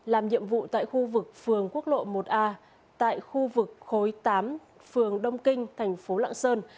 làm nhiệm vụ tại khu vực phường quốc lộ một a tại khu vực khối tám phường đông kinh thành phố lạng sơn